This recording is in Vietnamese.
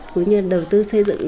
cũng như đầu tư xây dựng